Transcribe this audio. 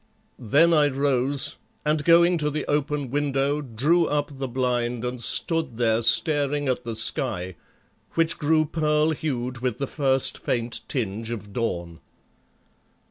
Then I rose, and going to the open window, drew up the blind and stood there staring at the sky, which grew pearl hued with the first faint tinge of dawn.